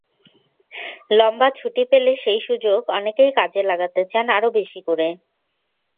লম্বা ছুটি পেলে সেই সুযোগ অনেকেই কাজে লাগাতে চান আরও বেশি করে।